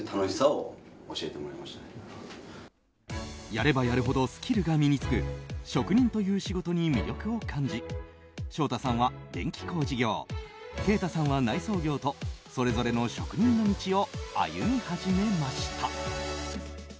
やればやるほどスキルが身に着く職人という仕事に魅力を感じ祥太さんは電気工事業慶太さんは内装業とそれぞれの職人の道を歩み始めました。